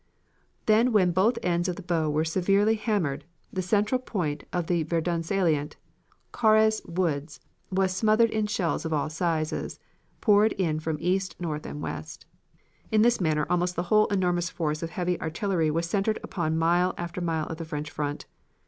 Then when both ends of the bow were severely hammered, the central point of the Verdun salient, Caures Woods, was smothered in shells of all sizes, poured in from east, north and west. In this manner almost the whole enormous force of heavy artillery was centered upon mile after mile of the French front.